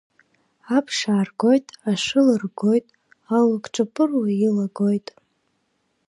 Аԥш ааргоит ашыла ргоит, алу кҿаԥыруа илагоит.